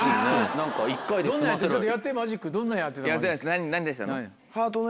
何出したの？